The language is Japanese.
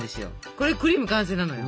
これクリーム完成なのよ。